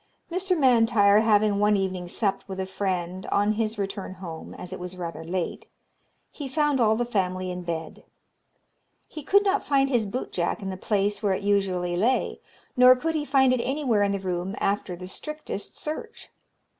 "Mr. M'Intyre having one evening supped with a friend, on his return home, as it was rather late, he found all the family in bed. He could not find his boot jack in the place where it usually lay, nor could he find it anywhere in the room after the strictest search.